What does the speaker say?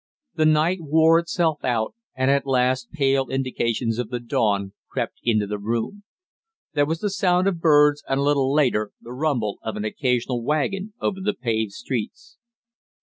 The night wore itself out, and at last pale indications of the dawn crept into the room. There was the song of the birds and a little later the rumble of an occasional wagon over the paved streets.